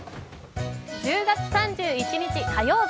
１０月３１日、火曜日。